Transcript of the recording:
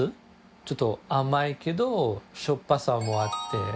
ちょっと甘いけどしょっぱさもあって。